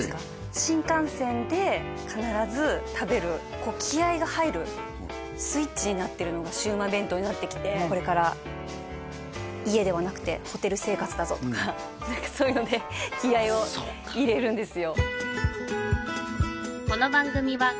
新幹線で必ず食べるになってるのがシウマイ弁当になってきてこれから家ではなくてホテル生活だぞとか何かそういうので気合を入れるんですよ